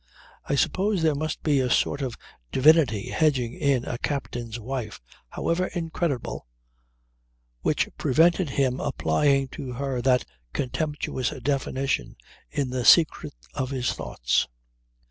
I suppose there must be a sort of divinity hedging in a captain's wife (however incredible) which prevented him applying to her that contemptuous definition in the secret of his thoughts.